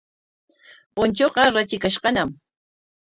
Punchuuqa ratrikashqañam.